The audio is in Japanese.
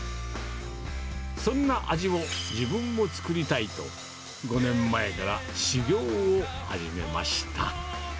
そんな味を自分も作りたいと、５年前から修業を始めました。